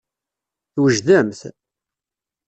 Twejdemt?